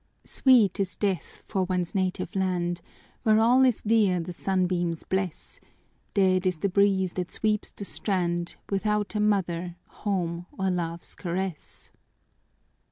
Sweet is death for one's native land, Where all is dear the sunbeams bless; Dead is the breeze that sweeps the strand, Without a mother, home, or love's caress.